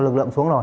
lực lượng xuống rồi